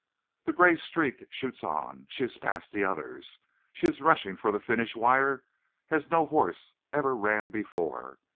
"The gray streak shoots on. She is past the others. She is rushing for the finish wire as no horse ever ran before.